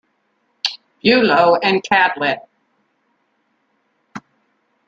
Bulo and Cadlit.